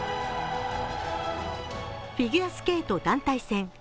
フィギュアスケート団体戦。